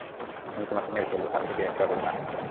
আমি তোমাকে মেরে ফেলবো বাসে কেবল নার্সরা।